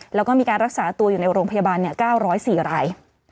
แล้วก็มีการรักษาตัวอยู่ในโรงพยาบาล๙๐๔ราย